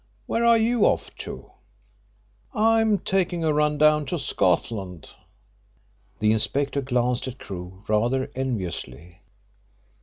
Where are you off to?" "I'm taking a run down to Scotland." The inspector glanced at Crewe rather enviously.